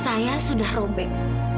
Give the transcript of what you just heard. saya sudah robek